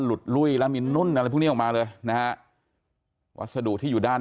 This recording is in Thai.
ลุ้ยแล้วมีนุ่นอะไรพวกนี้ออกมาเลยนะฮะวัสดุที่อยู่ด้าน